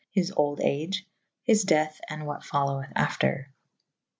His olde age. His dethe and what foloweth after.